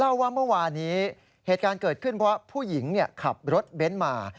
ว่าเมื่อวานี้เหตุการณ์เกิดขึ้นเพราะผู้หญิงขับรถเบ้นมา